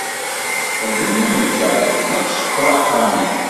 Xdem am lǧaṛ-ik, neɣ sekkeṛ axxam-ik!